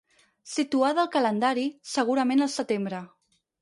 Situada al calendari, segurament al setembre.